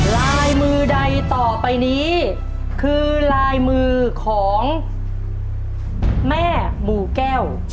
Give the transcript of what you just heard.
ลายมือใดต่อไปนี้คือลายมือของแม่หมู่แก้ว